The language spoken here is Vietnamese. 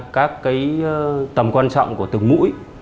các tầm quan trọng của từng mũi